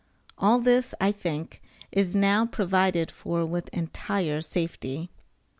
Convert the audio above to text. All this, I think, is now provided for with entire safety.